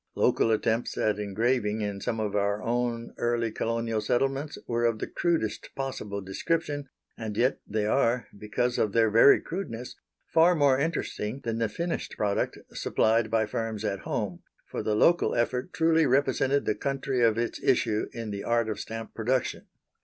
Local attempts at engraving in some of our own early colonial settlements were of the crudest possible description, and yet they are, because of their very crudeness, far more interesting than the finished product supplied by firms at home, for the local effort truly represented the country of its issue in the art of stamp production.